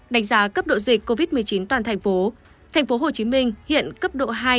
đánh giá cấp độ dịch covid một mươi chín toàn thành phố tp hcm hiện cấp độ hai